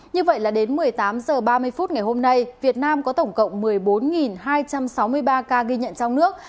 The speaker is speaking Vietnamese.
như vậy là đến một mươi tám h ba mươi phút ngày hôm nay việt nam có tổng cộng một mươi bốn hai trăm sáu mươi ba ca ghi nhận trong nước